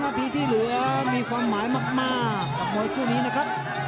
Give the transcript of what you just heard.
นาทีที่เหลือมีความหมายมากกับมวยคู่นี้นะครับ